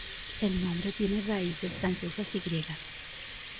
El nombre tiene raíces francesas y griegas.